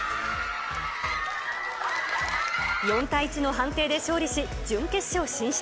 ４対１の判定で勝利し、準決勝進出。